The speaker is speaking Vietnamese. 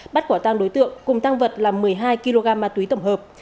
bắt quả tăng đối tượng cùng tăng vật là một mươi hai kg ma túy tổng hợp